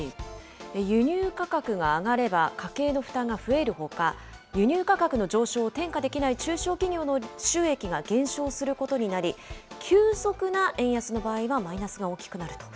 輸入価格が上がれば、家計の負担が増えるほか、輸入価格の上昇を転嫁できない中小企業の収益が減少することになり、急速な円安の場合はマイナスが大きくなると。